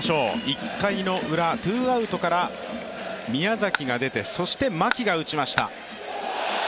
１回ウラ、ツーアウトから宮崎が出て、そして牧が打ちました。